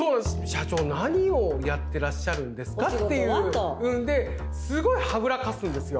社長何をやってらっしゃるんですかっていうんですごいはぐらかすんですよ。